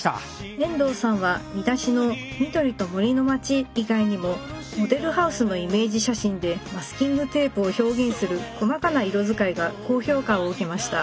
遠藤さんは見出しの「緑と森の街」以外にもモデルハウスのイメージ写真でマスキングテープを表現する細かな色使いが高評価を受けました。